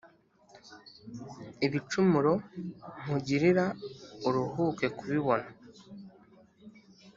Ibicumuro nkugilira Uruhuke kubibona